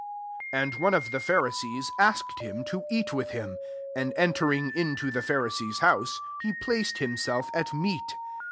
36 And one of the Pharisees asked him to eat with him. And entering into the Pharisee's house, he placed himself at meat.